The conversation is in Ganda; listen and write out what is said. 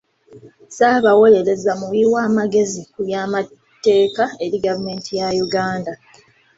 Ssaabawolereza muwi w'amagezi ku by'amateeka eri gavumenti ya Uganda.